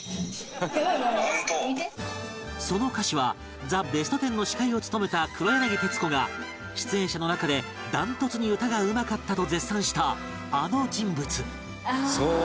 その歌手は『ザ・ベストテン』の司会を務めた黒柳徹子が出演者の中でダントツに歌がうまかったと絶賛したあの人物